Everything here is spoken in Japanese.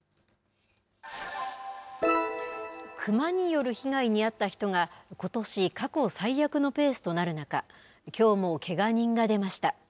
熊による被害に遭った人がことし過去最悪のペースとなる中きょうもけが人が出ました。